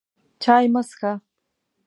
چای مه څښه!